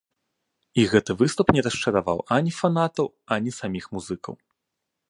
І гэты выступ не расчараваў ані фанатаў, ані саміх музыкаў.